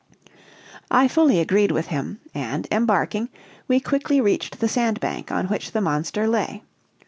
I fully agreed with him; and embarking, we quickly reached the sandbank on which the monster lay.